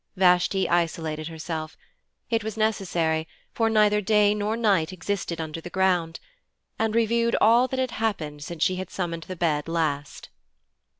Vashti isolated herself it was necessary, for neither day nor night existed under the ground and reviewed all that had happened since she had summoned the bed last.